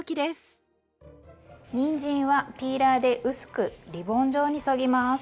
にんじんはピーラーで薄くリボン状にそぎます。